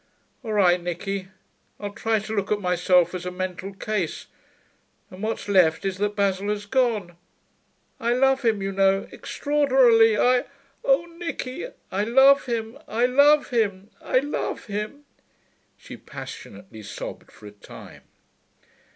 All right, Nicky; I'll try to look at myself as a mental case.... And what's left is that Basil has gone.... I love him, you know, extraordinarily. I Oh, Nicky, I love him, I love him, I love him.' She passionately sobbed for a time.